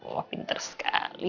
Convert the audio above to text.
wah pinter sekali